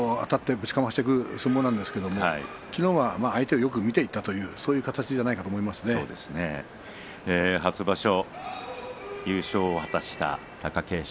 本来は立ち合いからあたってぶちかましていく相撲なんですが昨日は相手をよく見ていたという初場所優勝を果たした貴景勝。